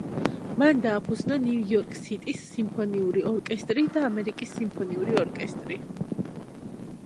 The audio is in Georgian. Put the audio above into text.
მან დააფუძნა ნიუ-იორკ სიტის სიმფონიური ორკესტრი და ამერიკის სიმფონიური ორკესტრი.